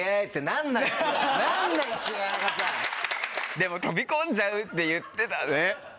でも「飛び込んじゃう」って言ってたね。